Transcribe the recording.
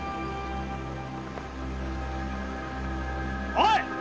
おい！